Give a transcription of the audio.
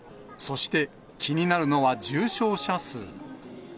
そして気になるのは重症者数。